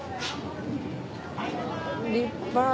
立派。